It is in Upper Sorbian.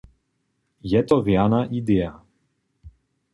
Je to rjana ideja.